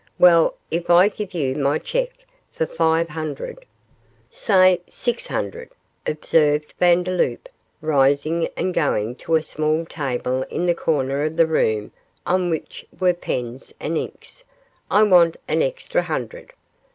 Well, if I give you my cheque for five hundred ' 'Say six hundred,' observed Vandeloup, rising and going to a small table in the corner of the room on which were pens and ink. 'I want an extra hundred.